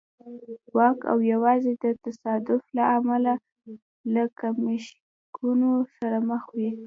واک او یوازې د تصادف له امله له کشمکشونو سره مخ وي.